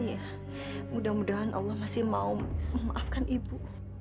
iya mudah mudahan allah masih mau memaafkan ibu